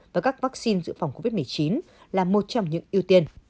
và các vaccine dự phòng covid một mươi chín là một trong những ưu tiên